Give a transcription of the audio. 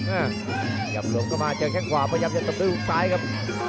หยับหลวงเข้ามาเจอแข่งขวาพยายามจะตระบื้อของซ้ายครับ